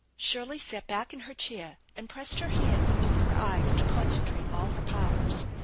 Shirley sat back in her chair and pressed her hands over her eyes to concentrate all her powers.